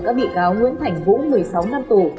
các bị cáo nguyễn thành vũ một mươi sáu năm tù